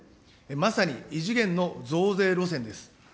まさに異次元の増税路線です。